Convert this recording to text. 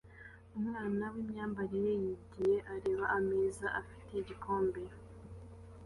Umwana wimyambarire yigihe areba ameza afite igikombe